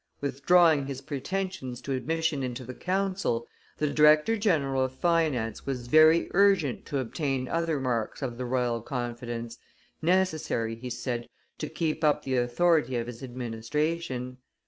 Withdrawing his pretensions to admission into the council, the director general of finance was very urgent to obtain other marks of the royal confidence, necessary, he said, to keep up the authority of his administration.